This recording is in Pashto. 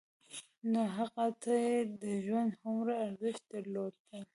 نو هغه ته يې د ژوند هومره ارزښت درلود.